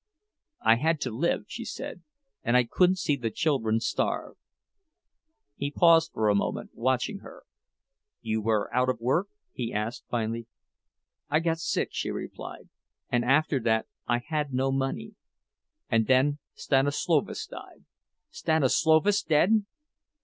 "I had to live," she said; "and I couldn't see the children starve." He paused for a moment, watching her. "You were out of work?" he asked, finally. "I got sick," she replied, "and after that I had no money. And then Stanislovas died—" "Stanislovas dead!"